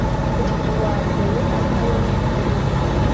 uti “Uwa mbere ari na we w’imperuka,